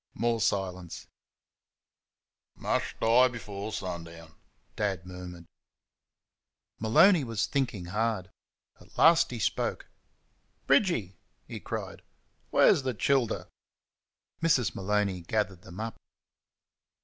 More silence. "Mush die 'fore shun'own," Dad murmured. Maloney was thinking hard. At last he spoke. "Bridgy!" he cried, "where's th' childer?" Mrs. Maloney gathered them up.